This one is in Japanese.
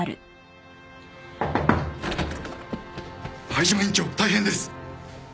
・灰島院長大変です。